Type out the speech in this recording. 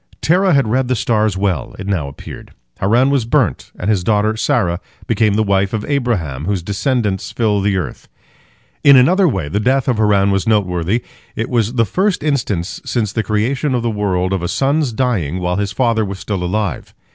Terah had read the stars well, it now appeared: Haran was burnt, and his daughter Sarah became the wife of Abraham, whose descendants fill the earth. In another way the death of Haran was noteworthy. It was the first instance, since the creation of the world, of a son's dying while his father was still alive.